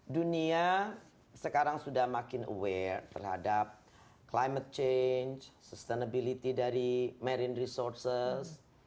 dunia sekarang sudah makin aware terhadap climate change sustainability dari marine resources